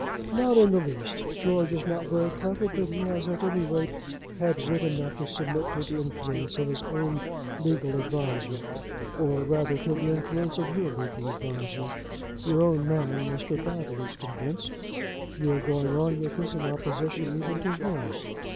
"Not in the least. George is not very clever, but he has at any rate had wit enough to submit to the influence of his own legal adviser, or rather to the influence of your legal adviser. Your own man, Mr. Battle, is convinced. You are going on with this in opposition even to him.